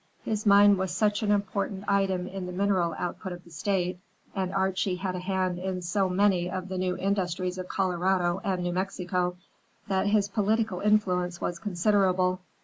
His mine was such an important item in the mineral output of the State, and Archie had a hand in so many of the new industries of Colorado and New Mexico, that his political influence was considerable.